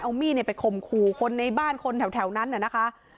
เอามีดเนี่ยไปคมขู่คนในบ้านคนแถวแถวนั้นเนี่ยนะคะ